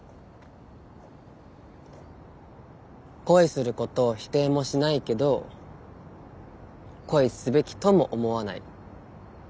恋することを否定もしないけど恋すべきとも思わない。